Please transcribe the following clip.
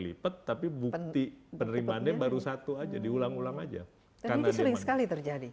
lipat tapi bukti penerimaannya baru satu aja diulang ulang aja karena sama sekali terjadi